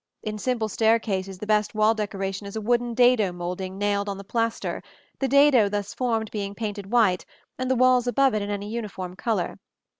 In simple staircases the best wall decoration is a wooden dado moulding nailed on the plaster, the dado thus formed being painted white, and the wall above it in any uniform color.